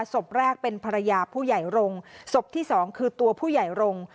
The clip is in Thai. ศพแรกเป็นภรรยาผู้ใหญ่รงค์ศพที่สองคือตัวผู้ใหญ่รงค์